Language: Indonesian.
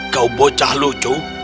kau bocah lucu